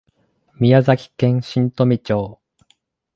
宮崎県新富町